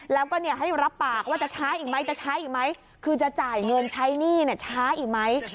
แล้วก็ให้รับปากว่าจะช้าอีกไหมจะใช้อีกไหมคือจะจ่ายเงินใช้หนี้ช้าอีกไหม